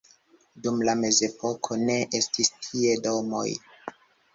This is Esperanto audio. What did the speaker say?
Dum la mezepoko ne estis tie domoj.